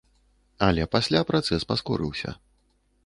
Але пасля працэс паскорыўся.